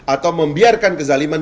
atau membiarkan kezaliman